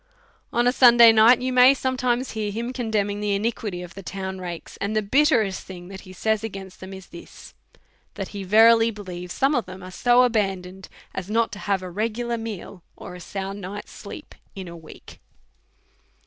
On a Sunday night you may sometimes hear him condemning the iniquity of the town rakes ; and the bitterest thing that he says against them is this^ that he verily believes some of them are so abandoned as not to have a regular meal or a sound night's sleep in a week.